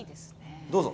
どうぞ。